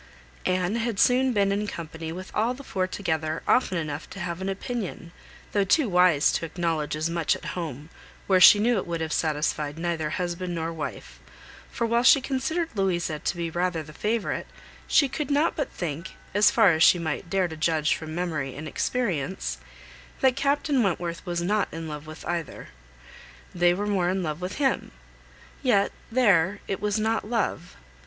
Anne had soon been in company with all the four together often enough to have an opinion, though too wise to acknowledge as much at home, where she knew it would have satisfied neither husband nor wife; for while she considered Louisa to be rather the favourite, she could not but think, as far as she might dare to judge from memory and experience, that Captain Wentworth was not in love with either. They were more in love with him; yet there it was not love.